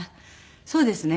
そうですね。